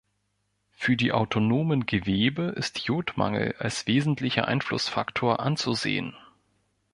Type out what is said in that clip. Für die autonomen Gewebe ist Jodmangel als wesentlicher Einflussfaktor anzusehen.